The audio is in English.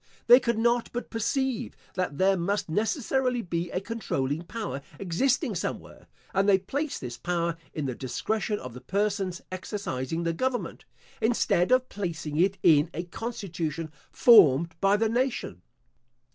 They could not but perceive, that there must necessarily be a controlling power existing somewhere, and they placed this power in the discretion of the persons exercising the government, instead of placing it in a constitution formed by the nation.